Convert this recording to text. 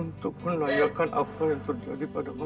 untuk menayakan apa yang terjadi pada mama